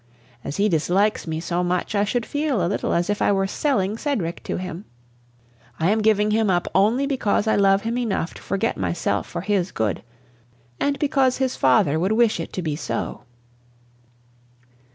As he dislikes me so much, I should feel a little as if I were selling Cedric to him. I am giving him up only because I love him enough to forget myself for his good, and because his father would wish it to be so."